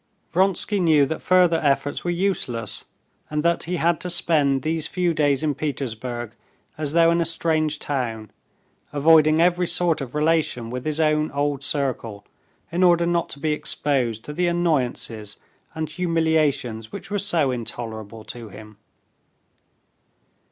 Vronsky knew that further efforts were useless, and that he had to spend these few days in Petersburg as though in a strange town, avoiding every sort of relation with his own old circle in order not to be exposed to the annoyances and humiliations which were so intolerable to him.